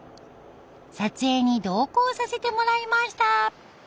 撮影に同行させてもらいました。